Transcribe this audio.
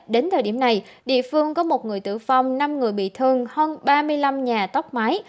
đến thời điểm này địa phương có một người tử vong năm người bị thương hơn ba mươi năm nhà tốc mái